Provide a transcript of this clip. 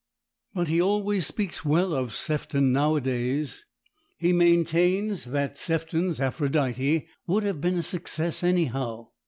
But he always speaks well of Sefton nowadays. He maintains that Sefton's "Aphrodite" would have been a success anyhow.